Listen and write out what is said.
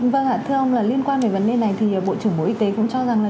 vâng ạ thưa ông là liên quan đến vấn đề này thì bộ trưởng bộ y tế cũng cho rằng là